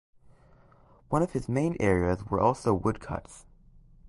One of his main areas were also woodcuts.